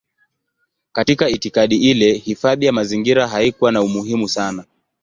Katika itikadi ile hifadhi ya mazingira haikuwa na umuhimu sana.